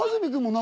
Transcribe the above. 何？